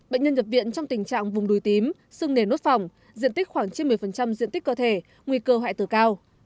bệnh nhân nhập viện trong tình trạng vùng đùi tím sưng nề nốt phòng diện tích khoảng trên một mươi diện tích cơ thể nguy cơ hoại tử cao